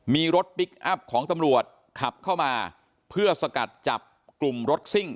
มีรถพลิกอัพของตำรวจขับเข้ามาเพื่อสกัดจับกลุ่มรถซิ่ง